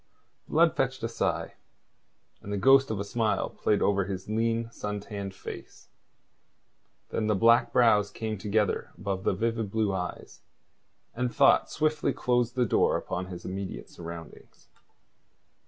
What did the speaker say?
Blood fetched a sigh, and the ghost of a smile played over his lean, sun tanned face. Then the black brows came together above the vivid blue eyes, and thought swiftly closed the door upon his immediate surroundings.